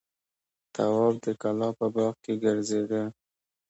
تواب د کلا په باغ کې ګرځېده.